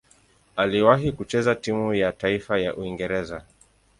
Aliwahi kucheza timu ya taifa ya Uingereza.